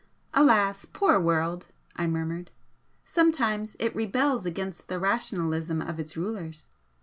"Alas, poor world!" I murmured "Sometimes it rebels against the 'rationalism' of its rulers!"